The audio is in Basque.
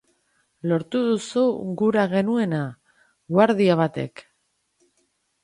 Lortu duzu gura zenuena!, guardia batek.